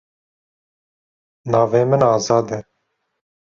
Navê min Azad e.